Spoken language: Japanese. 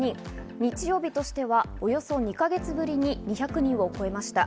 日曜日としておよそ２か月ぶりに２００人を超えました。